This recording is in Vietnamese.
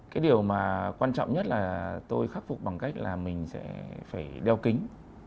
cái điều mà quan trọng nhất là tôi khắc phục bằng cách là mình sẽ phải đeo kính